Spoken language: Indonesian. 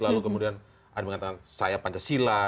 lalu kemudian ada yang mengatakan saya pancasila